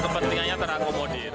dan apa kepentingannya terakomodir